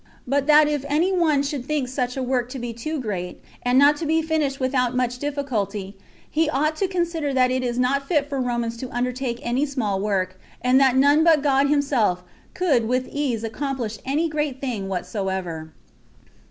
But that if any one should think such a work to be too great, and not to be finished without much difficulty, he ought to consider that it is not fit for Romans to undertake any small work, and that none but God himself could with ease accomplish any great thing whatsoever.